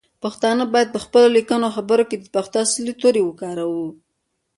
پښتانه باید پخپلو لیکنو او خبرو کې د پښتو اصلی تورې وکاروو.